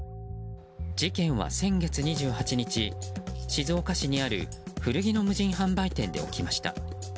事件は先月２８日、静岡市にある古着の無人販売店で起きました。